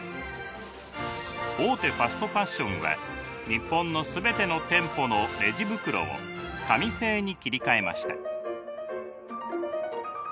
大手ファストファッションは日本の全ての店舗のレジ袋を紙製に切り替えました。